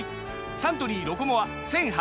サントリー「ロコモア」１，０８０円